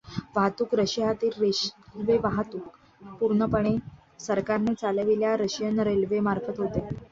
वाहतूक रशियातील रेल्वेवाहतुक संपूर्णपणे सरकारने चालविलेल्या रशियन रेल्वे मार्फत होते.